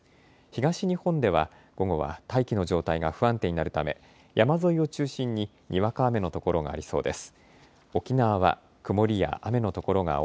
東日本では午後は大気の状態が不安定になるため山沿いを中心ににわか雨の所がありそうです。